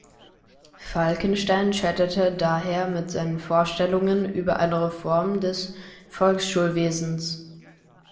Falkenstein scheiterte daher mit seinen Vorstellungen über eine Reform des Volksschulwesens.